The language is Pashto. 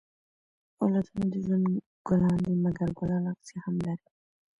اولادونه د ژوند ګلان دي؛ مکر ګلان اغزي هم لري.